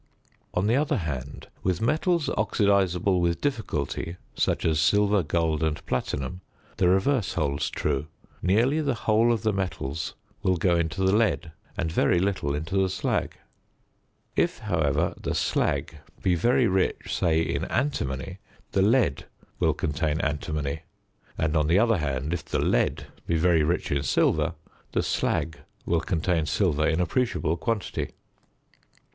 On the other hand, with metals oxidisable with difficulty, such as silver, gold, and platinum, the reverse holds true; nearly the whole of the metals will go into the lead, and very little into the slag. If, however, the slag be very rich, say in antimony, the lead will contain antimony; and, on the other hand, if the lead be very rich in silver, the slag will contain silver in appreciable quantity.